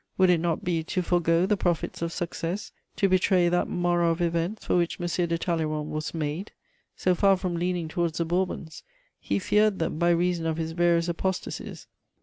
Would it not be to forego the profits of success, to betray that morrow of events for which M. de Talleyrand was made? So far from leaning towards the Bourbons, he feared them by reason of his various apostacies.